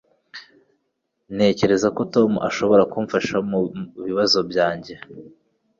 Ntekereza ko Tom ashobora kumfasha mubibazo byanjye